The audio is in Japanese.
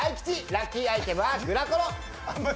ラッキーアイテムはグラコロ！